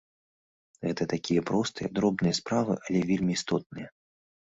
Гэта такія простыя, дробныя справы, але вельмі істотныя.